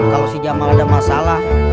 kalau si jamal ada masalah